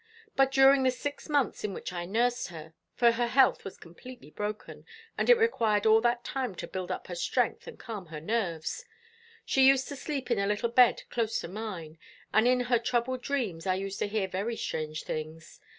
But during the six months in which I nursed her for her health was completely broken, and it required all that time to build up her strength and calm her nerves she used to sleep in a little bed close to mine, and in her troubled dreams I used to hear very strange things.